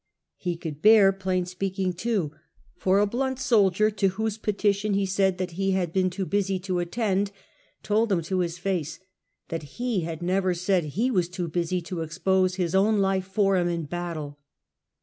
He could bear plain speaking too, for a blunt soldier to whose petition he said that he was too busy to attend, told him to his face, that he had never said he was too busy to expose his own life for him in battle.